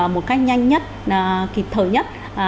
một cách nhanh nhất kịp thời nhất